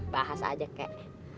bahas aja kek